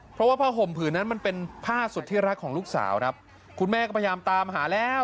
เพราะว่าผ้าห่มผืนนั้นมันเป็นผ้าสุดที่รักของลูกสาวครับคุณแม่ก็พยายามตามหาแล้ว